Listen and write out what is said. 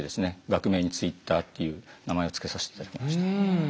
学名に「ｔｗｉｔｔｅｒ」っていう名前をつけさせて頂きました。